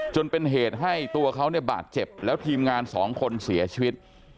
จนเป็นเหตุให้ตัวเขาเนี่ยบาดเจ็บแล้วทีมงานสองคนเสียชีวิต